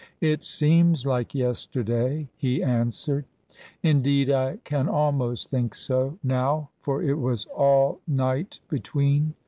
"It seems like yesterday," he answered. "Indeed, I can almost think so, now, for it was all night between.